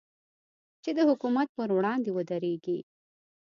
چې د حکومت پر وړاندې ودرېږي.